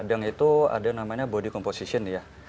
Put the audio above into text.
padang itu ada namanya body composition ya